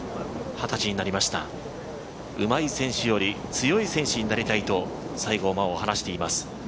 二十歳になりました、うまい選手より強い選手になりたいと西郷真央は話しています。